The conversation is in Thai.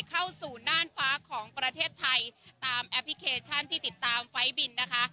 เข้าสู่น่านฟ้าของประเทศไทยตามแอปพลิเคชันที่ติดตามไฟล์บินนะคะ